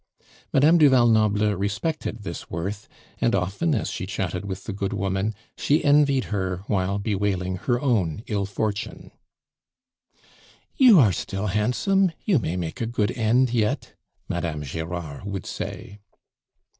Madame du Val Noble respected this worth; and often, as she chatted with the good woman, she envied her while bewailing her own ill fortune. "Your are still handsome; you may make a good end yet," Madame Gerard would say.